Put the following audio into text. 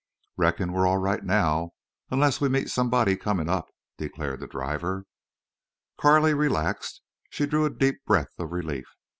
"Reckon we're all right now, onless we meet somebody comin' up," declared the driver. Carley relaxed. She drew a deep breath of relief.